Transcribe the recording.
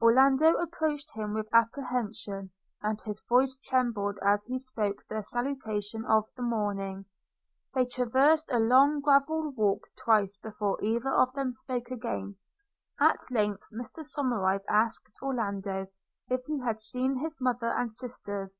Orlando approached him with apprehension, and his voice trembled as he spoke the salutation of the morning. They traversed a long gravel walk twice before either of them spoke again. At length Mr Somerive asked Orlando, if he had seen his mother and sisters?